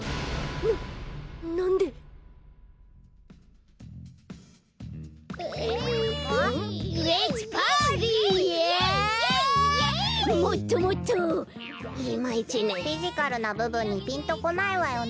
フィジカルなぶぶんにピンとこないわよね。